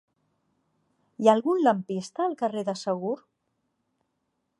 Hi ha algun lampista al carrer de Segur?